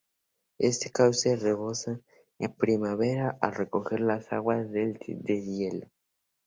Este cauce rebosa en primavera al recoger las aguas del deshielo.